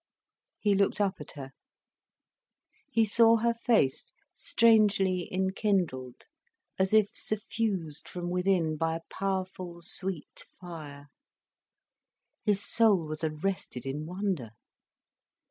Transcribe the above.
He looked up at her. He saw her face strangely enkindled, as if suffused from within by a powerful sweet fire. His soul was arrested in wonder.